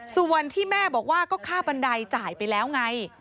ส่วนที่แม่บอกว่าก็ค่าบันไดจ่ายไปแล้วไง